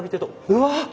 うわ！